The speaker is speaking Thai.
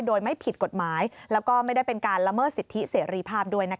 โดยไม่ผิดกฎหมายแล้วก็ไม่ได้เป็นการละเมิดสิทธิเสรีภาพด้วย